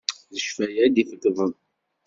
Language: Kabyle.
D cfaya i d-ifegḍen.